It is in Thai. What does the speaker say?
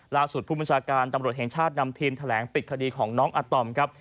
ล่าสุดผู้บัญชาการตำรวจแห่งชาตินำทีมแถลงปิดคดีของน้องอาตอมครับ